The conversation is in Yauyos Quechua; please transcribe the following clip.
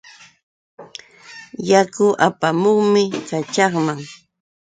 Yaku apamuqmi kaćhaqman.